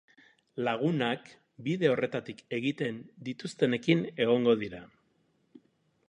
Lagunak bide horretatik egiten dituztenekin egongo dira.